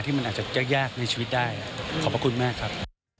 ที่มันอาจจะยากใยชีวิตได้อ่ะขอบคุณมากครับ